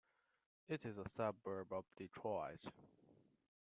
It is a suburb of Detroit.